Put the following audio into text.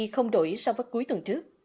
không đổi so với cuối tuần trước